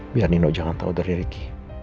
biar nino jangan tau dari riki